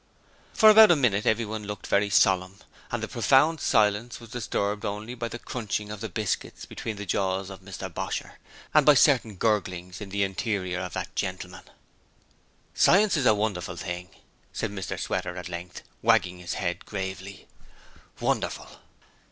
For about a minute everyone looked very solemn, and the profound silence was disturbed only the the crunching of the biscuits between the jaws of Mr Bosher, and by certain gurglings in the interior of that gentleman. 'Science is a wonderful thing,' said Mr Sweater at length, wagging his head gravely, 'wonderful!'